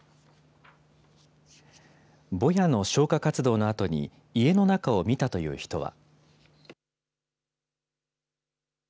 ぼやの消火活動のあとに家の中を見たという人は。